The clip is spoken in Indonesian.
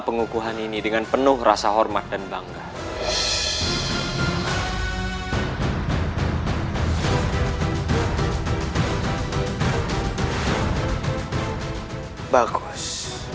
pengukuhan ini dengan penuh rasa hormat dan bangga bagus